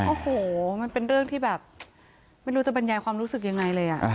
โอ้โหมันเป็นเรื่องที่แบบไม่รู้จะบรรยายความรู้สึกยังไงเลย